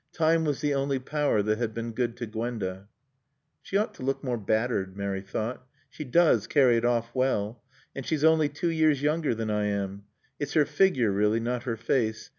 Time was the only power that had been good to Gwenda. "She ought to look more battered," Mary thought. "She does carry it off well. And she's only two years younger than I am. "It's her figure, really, not her face.